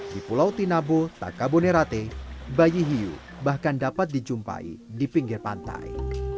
di pulau tinabo takabonerate bayi hiu bahkan dapat dijumpai di pinggir pantai